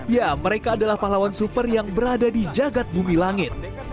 ya mereka adalah pahlawan super yang berada di jagad bumi langit